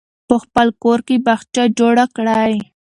په خپل کور کې باغچه جوړه کړئ.